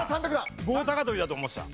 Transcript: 棒高跳だと思ってた。